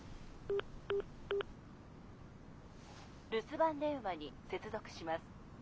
留守番電話に接続します。